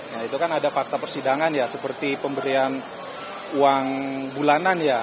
nah itu kan ada fakta persidangan ya seperti pemberian uang bulanan ya